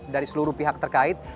dari seluruh pihak terkait